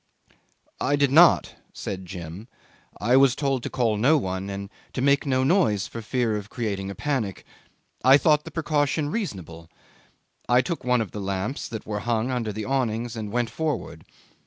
'I did not,' said Jim. 'I was told to call no one and to make no noise for fear of creating a panic. I thought the precaution reasonable. I took one of the lamps that were hung under the awnings and went forward.